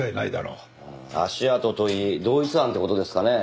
足跡といい同一犯って事ですかね？